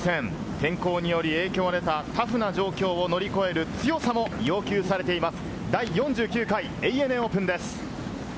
天候により影響の出たタフな状況を乗り越える強さも要求されています。